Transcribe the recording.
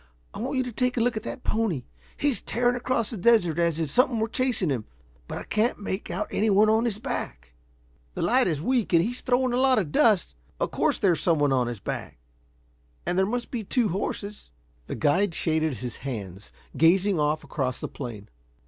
I want you to take a look at that pony. He's tearing across the desert as if something were chasing him. But I can't make out anyone on his back." "The light is weak and he's throwing a lot of dust. Of course there's some one his back, and there must be two horses." The guide shaded his hands, gazing off across the plain.